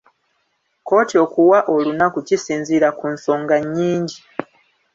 Kkooti okuwa olunaku kisinziira ku nsonga nnyingi.